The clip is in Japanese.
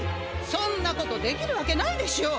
そんなことできるわけないでしょう。